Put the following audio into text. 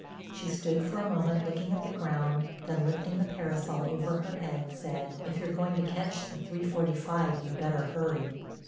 She stood for a moment looking at the ground, then lifting the parasol over her head, said: "If you're going to catch the three forty five you'd better hurry."